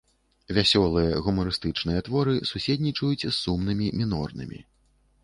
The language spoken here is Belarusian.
Вясёлыя, гумарыстычныя творы суседнічаюць з сумнымі, мінорнымі.